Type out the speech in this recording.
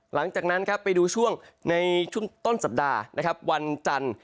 หลังจากนั้นไปดูช่วงในชุดต้นสัปดาห์วันจันทร์